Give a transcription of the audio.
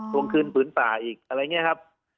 รวมขึ้นปืนปลาอีกอะไรอย่างนี้ครับ